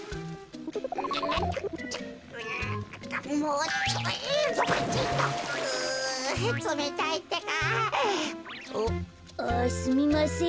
う？あすみません。